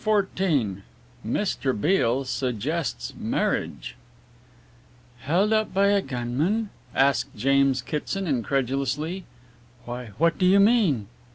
CHAPTER XIV MR. BEALE SUGGESTS MARRIAGE "Held up by a gunman?" asked James Kitson incredulously, "why, what do you mean?"